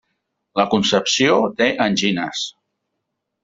La Concepció té angines.